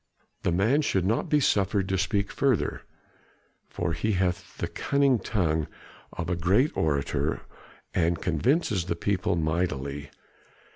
The man should not be suffered to speak further, for he hath the cunning tongue of a great orator, and convinces the people mightily.